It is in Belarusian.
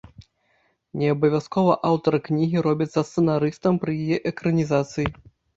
Неабавязкова аўтар кнігі робіцца сцэнарыстам пры яе экранізацыі.